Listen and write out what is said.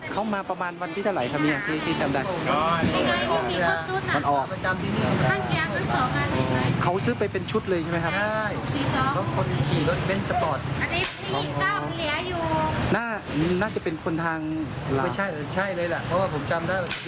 คือผมจำได้ว่าน่าจะไปโดนทะเบียนรถเขาล่ะ